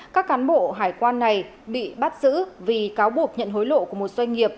các cán bộ hải quan này bị bắt giữ vì cáo buộc nhận hối lộ của một doanh nghiệp